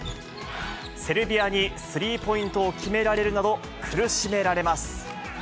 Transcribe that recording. セルビアにスリーポイントを決められるなど、苦しめられます。